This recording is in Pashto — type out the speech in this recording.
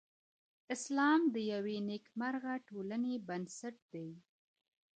اسلام د یوې نېکمرغه ټولنې بنسټ دی.